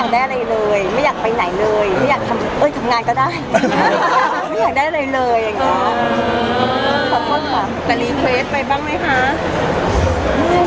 แต่พร้อมแกะของฝันได้ซักนิดนึง